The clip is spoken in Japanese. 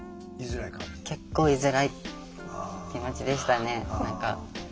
結構居づらい気持ちでしたね何か。